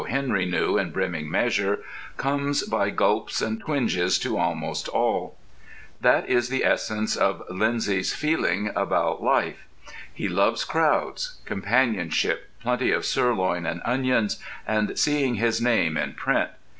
Henry knew in brimming measure, comes by gulps and twinges to almost all. That is the essence of Lindsay's feeling about life. He loves crowds, companionship, plenty of sirloin and onions, and seeing his name in print.